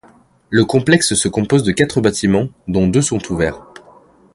Le complexe se compose de quatre bâtiments, dont deux sont ouverts.